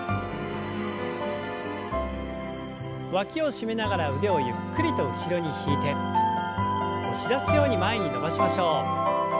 わきを締めながら腕をゆっくりと後ろに引いて押し出すように前に伸ばしましょう。